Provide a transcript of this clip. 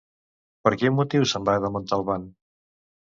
Per quin motiu se'n va de Montalban?